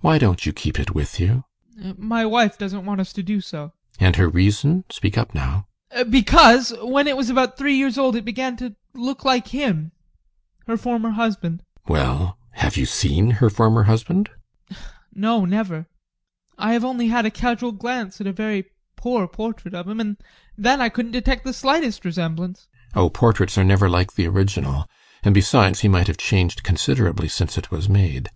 Why don't you keep it with you? ADOLPH. My wife doesn't want us to do so. GUSTAV. And her reason? Speak up now! ADOLPH. Because, when it was about three years old, it began to look like him, her former husband. GUSTAV. Well? Have you seen her former husband? ADOLPH. No, never. I have only had a casual glance at a very poor portrait of him, and then I couldn't detect the slightest resemblance. GUSTAV. Oh, portraits are never like the original, and, besides, he might have changed considerably since it was made.